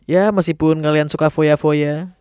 ya meskipun kalian suka foya foya